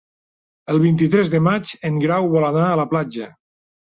El vint-i-tres de maig en Grau vol anar a la platja.